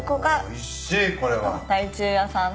おいしいこれは。